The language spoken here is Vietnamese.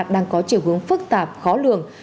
đang có chiều hướng phức tạp khó lường